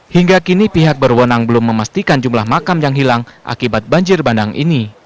hingga kini pihak berwenang belum memastikan jumlah makam yang hilang akibat banjir bandang ini